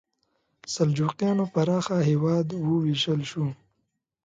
د سلجوقیانو پراخه هېواد وویشل شو.